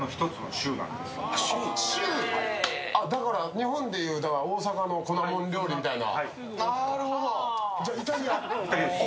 日本でいう大阪の粉物料理みたいな。